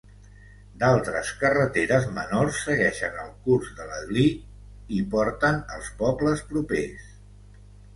D'altres carreteres menors segueixen el curs de l'Aglí i porten als pobles propers.